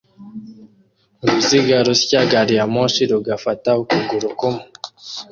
Uruziga rusya gari ya moshi rugafata ukuguru kumwe